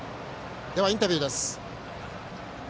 では、インタビューです。